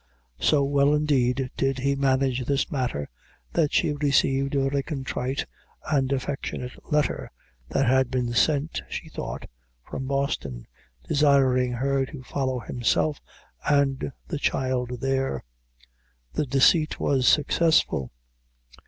So well, indeed, did he manage this matter, that she received a very contrite and affectionate letter, that had been sent, she thought, from Boston, desiring her to follow himself and the child there. The deceit was successful.